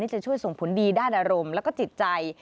จะช่วยส่งผลดีด้านอารมณ์แล้วก็จิตใจ